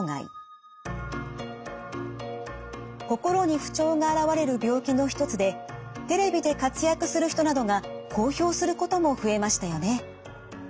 心に不調が現れる病気の一つでテレビで活躍する人などが公表することも増えましたよね。